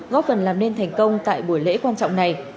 góp phần làm nên thành công tại buổi lễ quan trọng này